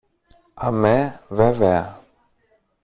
Αμέ βέβαια!